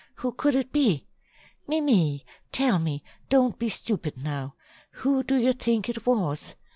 Who could it be? Mimi, tell me, don't be stupid now. Who do you think it was?"